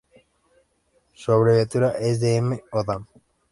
Su abreviatura es Dm o dam.